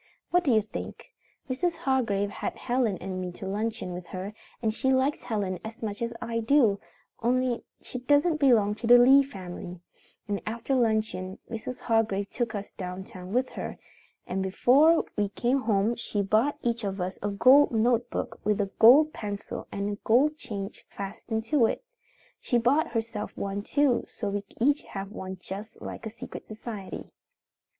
What do you think? Mrs. Hargrave had Helen and me to luncheon with her, and she likes Helen as much as I do, only she doesn't belong to the Lee family, and after luncheon Mrs. Hargrave took us down town with her, and before we came home she bought each of us a gold notebook with a gold pencil on a gold chain fastened to it. She bought herself one too so we each have one just like a secret society.